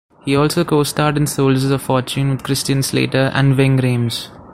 He also co-starred in "Soldiers of Fortune" with Christian Slater and Ving Rhames.